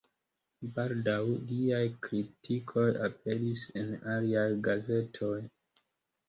Baldaŭ liaj kritikoj aperis en aliaj gazetoj.